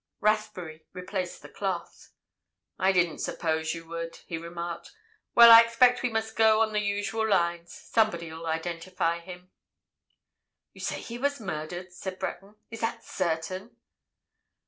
Rathbury replaced the cloth. "I didn't suppose you would," he remarked. "Well, I expect we must go on the usual lines. Somebody'll identify him." "You say he was murdered?" said Breton. "Is that—certain?"